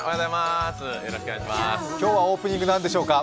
今日はオープニングなんでしょうか？